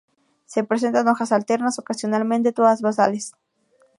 Presentan hojas alternas, ocasionalmente todas basales.